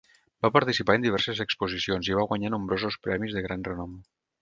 Va participar en diverses exposicions i va guanyar nombrosos premis de gran renom.